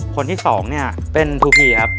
คนที่๒เนี่ยเป็นทูพีครับ